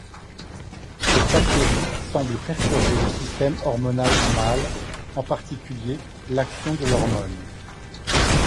Cette bactérie semble perturber le système hormonal mâle, en particulier l'action de l'hormone androgène.